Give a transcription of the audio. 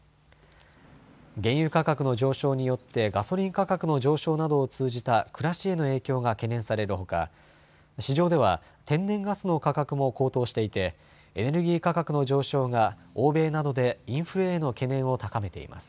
原油価格の上昇によってガソリン価格の上昇などを通じた暮らしへの影響が懸念されるほか市場では天然ガスの価格も高騰していてエネルギー価格の上昇が欧米などでインフレへの懸念を高めています。